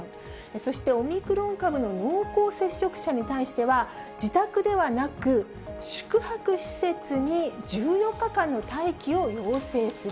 そしてオミクロン株の濃厚接触者に対しては自宅ではなく、宿泊施設に１４日間の待機を要請する。